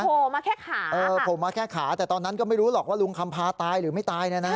โผล่มาแค่ขาเออโผล่มาแค่ขาแต่ตอนนั้นก็ไม่รู้หรอกว่าลุงคำพาตายหรือไม่ตายเนี่ยนะฮะ